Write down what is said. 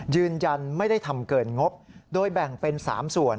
ยืนยันไม่ได้ทำเกินงบโดยแบ่งเป็น๓ส่วน